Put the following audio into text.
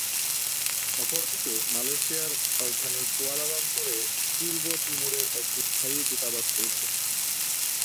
অপরদিকে মালয়েশিয়ার রাজধানী কুয়ালালামপুরে পূর্ব তিমুরের একটি স্থায়ী দূতাবাস রয়েছে।